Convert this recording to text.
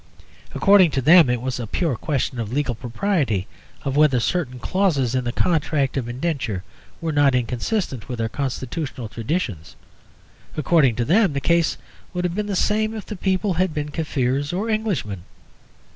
According to them, it was a pure question of legal propriety, of whether certain clauses in the contract of indenture were not inconsistent with our constitutional traditions: according to them, the case would have been the same if the people had been Kaffirs or Englishmen.